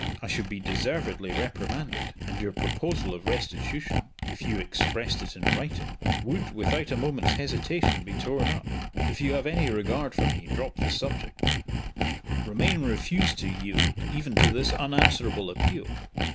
I should be deservedly reprimanded, and your proposal of restitution if you expressed it in writing would, without a moment's hesitation, be torn up. If you have any regard for me, drop the subject." Romayne refused to yield, even to this unanswerable appeal.